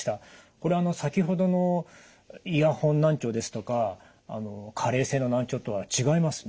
これあの先ほどのイヤホン難聴ですとか加齢性の難聴とは違いますね。